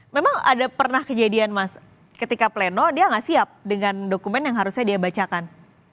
memang ada pernah kejadian mas ketika pleno dia nggak siap dengan dokumen yang harusnya dia bacakan